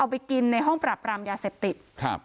ไปกินในห้องปรับรามยาเสพติดครับ